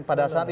pada saat itu